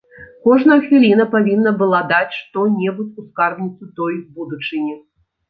Кожная хвіліна павінна была даць што-небудзь у скарбніцу той будучыні.